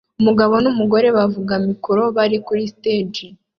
Umugabo numugore bavuga mikoro bari kuri stage